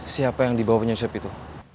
siapa yang dibawa penyesuai itu